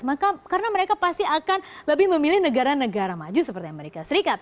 maka karena mereka pasti akan lebih memilih negara negara maju seperti amerika serikat